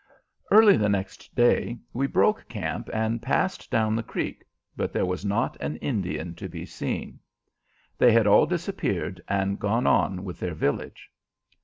Early the next day we broke camp and passed down the creek, but there was not an Indian to be seen. They had all disappeared and gone on with their village.